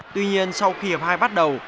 tuy nhiên sau khi hợp hai bắt đầu